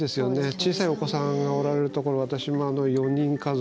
小さいお子さんがおられるところ私も４人家族、